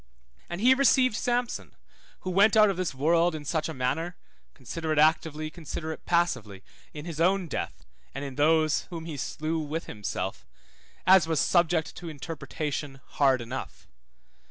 And he received Samson, who went out of this world in such a manner (consider it actively, consider it passively in his own death, and in those whom he slew with himself) as was subject to interpretation hard enough.